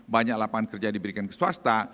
banyak lapangan kerja diberikan ke swasta